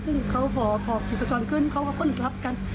ซึ่งพอภอพฤขจรขึ้นเขาก็ค่นครับค่ะ